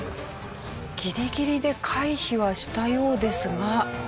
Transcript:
ギリギリで回避はしたようですが。